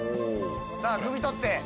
（橋さぁくみ取って！